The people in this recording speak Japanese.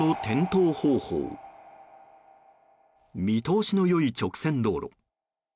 見通しの良い直線道路。